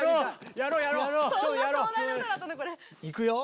いくよ？